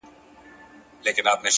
پوهه د غوره انتخاب سرچینه ده.